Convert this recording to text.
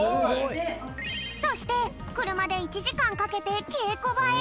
そしてくるまで１じかんかけてけいこばへ！